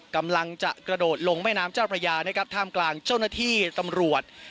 กำลังจะกระโดดลงแม่น้ำเจ้าพระยานะครับท่ามกลางเจ้าหน้าที่ตำรวจ